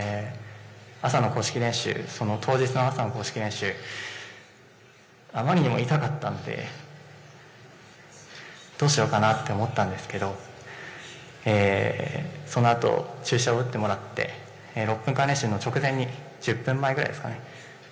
朝の公式練習、当日の朝の公式練習、あまりにも痛かったのでどうしようかなと思ったんですけどその後、注射を打ってもらって６分間練習の直前に１０分前くらいですかね。